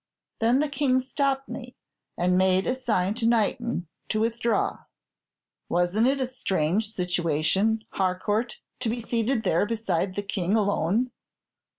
Then the King stopped me, and made a sign to Knighton to withdraw. "'Was n't it a strange situation, Harcourt, to be seated there beside the King, alone?